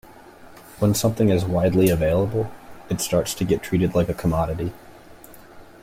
When something is widely available, it starts to get treated like a commodity.